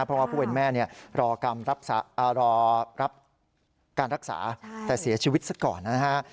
เพราะว่าผู้เป็นแม่รอรับการรักษาแต่เสียชีวิตซะก่อนนะฮะ